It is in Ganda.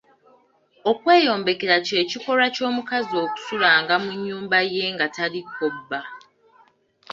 Okweyombekera kye kikolwa ky’omukazi okusulanga mu nnyumba ye nga taliiko bba.